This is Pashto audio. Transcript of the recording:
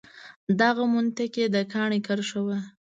دغه منطق یې د کاڼي کرښه وه.